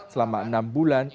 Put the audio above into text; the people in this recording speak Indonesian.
selama enam bulan